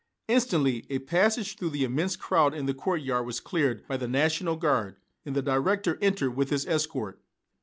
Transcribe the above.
Instantly a passage through the immense crowd in the courtyard was cleared by the National Guard, and the director entered with his escort.